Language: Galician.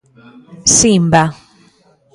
Simba.